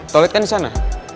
toilet kan disana